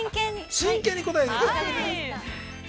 ◆真剣に答えて。